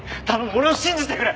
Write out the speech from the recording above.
俺を信じてくれ！